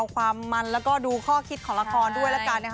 ความมันแล้วก็ดูข้อคิดของละครด้วยละกันนะคะ